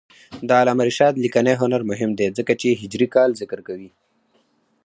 د علامه رشاد لیکنی هنر مهم دی ځکه چې هجري کال ذکر کوي.